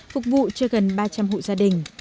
phục vụ cho gần ba trăm linh hộ gia đình